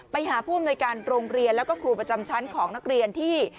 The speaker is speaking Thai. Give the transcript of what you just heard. ไปหาผู้อำนวยการโรงเรียนแล้วก็ครูประจำชั้นของนักเรียนที่